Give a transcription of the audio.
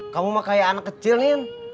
kamu mah kayak anak kecil nih